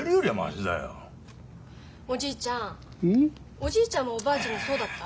おじいちゃんもおばあちゃんにそうだった？